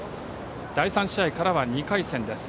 第３試合からは２回戦です。